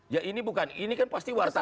ya ini bukan ini kan pasti wartawan